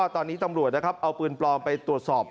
ตอนนี้ตำรวจเอาปืนปลอมไปตรวจสอบ